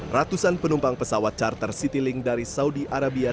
ratusan penumpang pesawat charter citylink dari saudi arabia